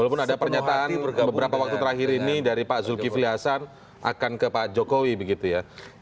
walaupun ada pernyataan beberapa waktu terakhir ini dari pak zulkifli hasan akan ke pak jokowi begitu ya